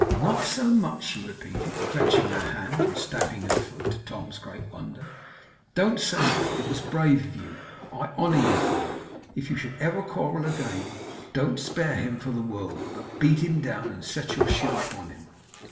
'Not so much!' she repeated, clenching her hand and stamping her foot, to Tom's great wonder. 'Don't say that. It was brave of you. I honour you for it. If you should ever quarrel again, don't spare him for the world, but beat him down and set your shoe upon him.